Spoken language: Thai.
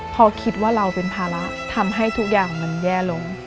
พอคิดว่าเราเป็นภาระทำให้ทุกอย่างมันแย่ลง